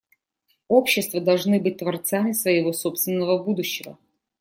Общества должны быть творцами своего собственного будущего.